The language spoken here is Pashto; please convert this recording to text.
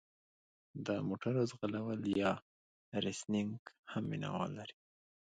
د موټرو ځغلول یا ریسینګ هم مینه وال لري.